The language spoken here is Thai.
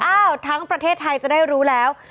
อ้าวทั้งประเทศไทยจะได้รู้แล้ว